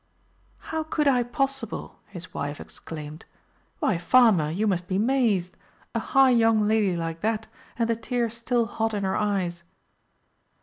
"How could I possible?" his wife exclaimed; "why, farmer, you must be mazed. A high young lady like that, and the tears still hot in her eyes!"